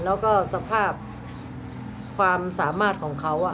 แล้วก็สภาพความสามารถของเขา